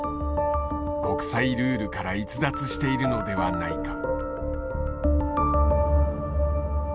国際ルールから逸脱しているのではないか。